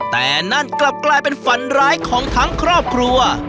แต่นั่นกลับกลายเป็นฝันร้ายของทั้งครอบครัว